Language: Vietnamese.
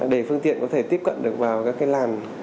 để phương tiện có thể tiếp cận vào các làn